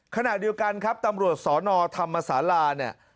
ขณะเดียวกันครับตำรวจสนธรรมศาลาเนี่ย